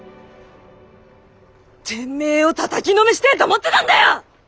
てめえをたたきのめしてえと思ってたんだよ！